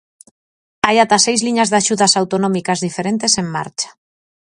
Hai ata seis liñas de axudas autonómicas diferentes en marcha.